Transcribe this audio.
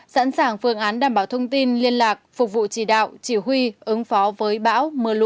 sẵn sàng phương án đảm bảo thông tin liên lạc phục vụ chỉ đạo chỉ huy ứng phó với bão